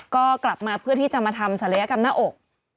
ก็กลับมาเพื่อที่จะมาทำศัลยกรรมหน้าอก